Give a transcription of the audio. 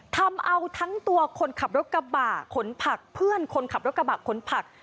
ทำเอาทั้งตัวคนขับรถกระบะขนผักเพื่อนคนขับรถกระบะขนผัก